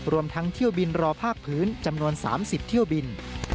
รวมทั้งเที่ยวบินรอภาคพื้นจำนวน๓๐เที่ยวบิน